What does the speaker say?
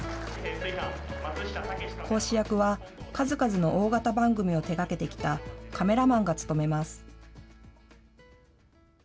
講師役は数々の大型番組を手がけてきたカメラマンが務めます。